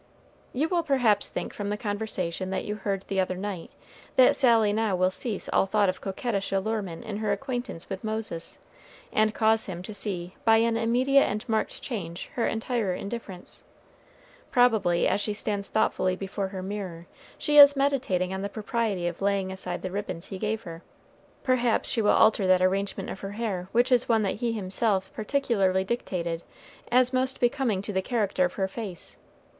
You will perhaps think from the conversation that you heard the other night, that Sally now will cease all thought of coquettish allurement in her acquaintance with Moses, and cause him to see by an immediate and marked change her entire indifference. Probably, as she stands thoughtfully before her mirror, she is meditating on the propriety of laying aside the ribbons he gave her perhaps she will alter that arrangement of her hair which is one that he himself particularly dictated as most becoming to the character of her face.